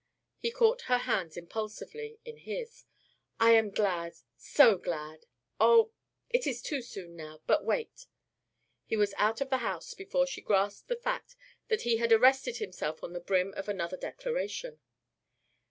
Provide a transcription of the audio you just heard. He caught her hands impulsively in his. "I am glad, so glad! Oh! It is too soon now, but wait " He was out of the house before she grasped the fact that he had arrested himself on the brim of another declaration.